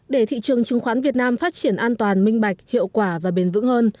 để thị trường chứng khoán việt nam phát triển an toàn minh bạch hiệu quả và bền vững hơn